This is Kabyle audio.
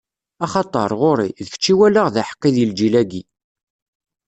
Axaṭer, ɣur-i, d kečč i walaɣ d aḥeqqi di lǧil-agi.